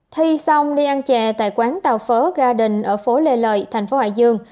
thi xong đi ăn chè tại quán tàu phớ garden ở phố lê lợi tp hcm